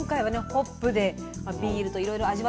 ホップでビールといろいろ味わって頂きました。